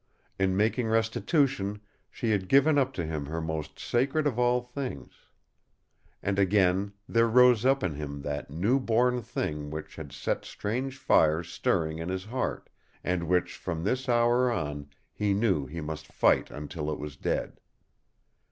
In making restitution she had given up to him her most sacred of all things. And again there rose up in him that new born thing which had set strange fires stirring in his heart, and which from this hour on he knew he must fight until it was dead.